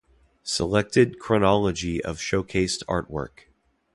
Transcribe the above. Selected chronology of showcased artwork.